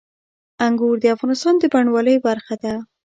انګور د افغانستان د بڼوالۍ برخه ده.